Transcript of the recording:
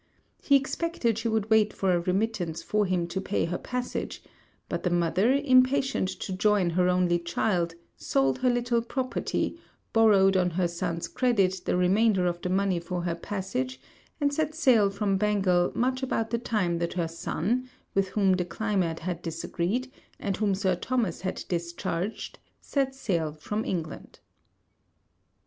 He expected she would wait for a remittance from him to pay her passage; but the mother, impatient to join her only child, sold her little property, borrowed on her son's credit the remainder of the money for her passage, and set sail from Bengal much about the time that her son, with whom the climate had disagreed, and whom Sir Thomas had discharged, set sail from England.